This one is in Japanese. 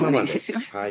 はい。